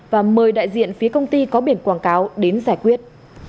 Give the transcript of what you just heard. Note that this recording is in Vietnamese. và mời đại diện phía công ty có biển quảng cáo đến giải quyết